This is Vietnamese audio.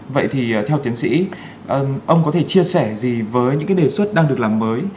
vậy thì theo tiến sĩ ông có thể chia sẻ gì với những cái đề xuất đang được làm mới